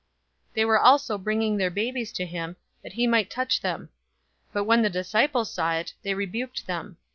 018:015 They were also bringing their babies to him, that he might touch them. But when the disciples saw it, they rebuked them.